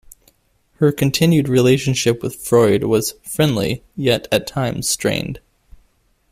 Her continued relationship with Freud was friendly, yet at times strained.